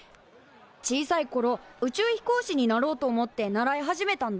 小さいころ宇宙飛行士になろうと思って習い始めたんだ。